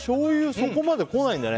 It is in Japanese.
そこまで来ないね。